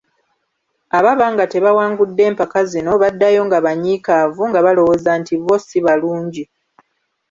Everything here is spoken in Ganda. Ababa nga tebawangudde mpaka zino baddayo nga banyiikaavu nga balowooza nti bo si balungi.